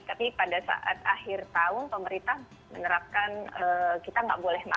tapi pada saat akhir tahun pemerintah menerapkan kita nggak boleh makan